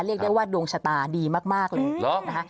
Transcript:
เรียกได้ว่าดวงชะตาดีมากเลยนะคะ